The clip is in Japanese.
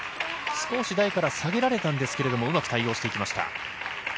少し台から下げられましたが、うまく対応していきました。